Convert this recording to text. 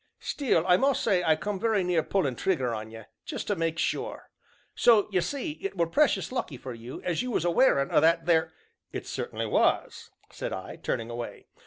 Still, I must say I come very near pullin' trigger on ye just to make sure. So ye see it were precious lucky for you as you was a wearin' o' that there " "It certainly was," said I, turning away.